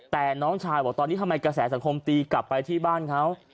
แต่น้องชายบอกตอนนี้ทำไมกระแสสังคมตีกลับไปที่บ้านเขา